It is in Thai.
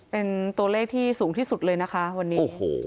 เป็นตัวเลขที่สูงที่สุดเลยนะคะวันนี้โอ้โห